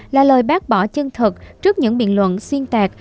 là lời bác bỏ chân thực trước những biện luận xuyên tạc